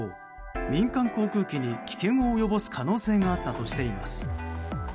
民間航空機に危険を及ぼす可能性があったとしています。